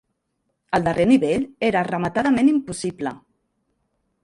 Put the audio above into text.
El darrer nivell era rematadament impossible!